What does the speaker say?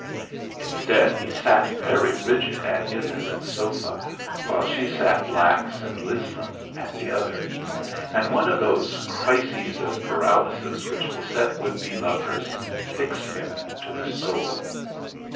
Instead, he sat very rigid at his end of the sofa, while she sat lax and lissom at the other, and one of those crises of paralysis which beset would be lovers fixed him to the soul.